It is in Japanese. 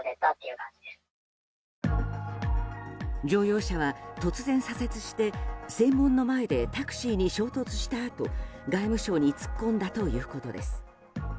乗用車は突然、左折して正門の前でタクシーに衝突したあと外務省に突っ込んだということです。